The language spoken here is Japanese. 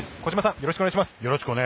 よろしくお願いします。